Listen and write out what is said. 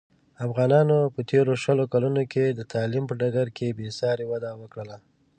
افغانانو په تېرو شلو کلونوکې د تعلیم په ډګر کې بې ساري وده وکړله.